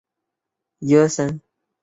射箭比赛于亚特兰大的石山举行。